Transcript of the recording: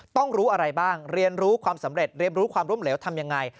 ต้องรู้อะไรบ้างเรียนรู้ความสำเร็จเรียนรู้ความร่มเหลวทำยังไง